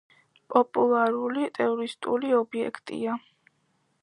პოპულარული ტურისტული ობიექტია.